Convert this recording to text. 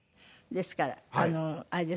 ですからあれですか？